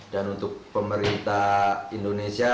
dan untuk pemerintah indonesia